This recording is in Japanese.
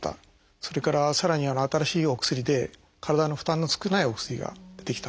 それからさらに新しいお薬で体の負担の少ないお薬が出てきた。